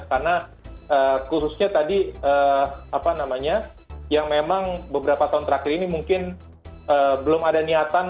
karena khususnya tadi apa namanya yang memang beberapa tahun terakhir ini mungkin belum ada niatanya ya